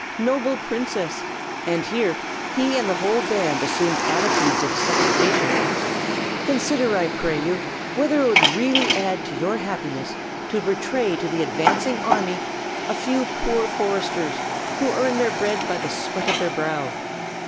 Noble princess!" and here he and the whole band assumed attitudes of supplication, "consider, I pray you, whether it would really add to your happiness to betray to the advancing army a few poor foresters, who earn their bread by the sweat of their brow.